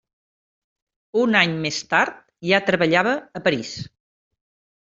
Un any més tard ja treballava a París.